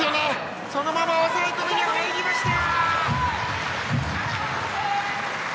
そのまま抑え込みに入りました！